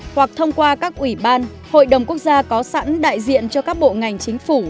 hoặc thông qua các ủy ban hội đồng quốc gia có sẵn đại diện cho các bộ ngành chính phủ